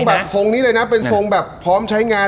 แบบทรงนี้เลยนะเป็นทรงแบบพร้อมใช้งาน